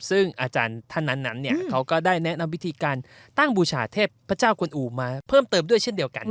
ซึ่งอาจารย์ท่านนั้นเขาก็ได้แนะนำวิธีการตั้งบูชาเทพเจ้าคนอู่มาเพิ่มเติมด้วยเช่นเดียวกัน